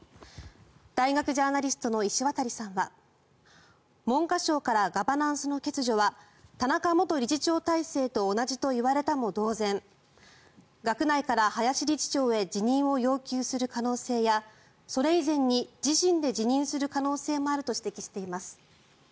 大学ジャーナリストの石渡さんは文科省からガバナンスの欠如は田中元理事長体制と同じと言われたも同然学内から林理事長へ辞任を要求する可能性やそれ以前に自身で辞任する可能性もあると指摘しています。